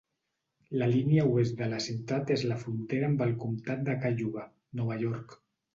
La línia oest de la ciutat és la frontera amb el comtat de Cayuga, Nova York.